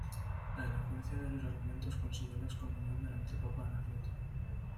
La elocuencia de sus argumentos consiguió la excomunión del antipapa Anacleto.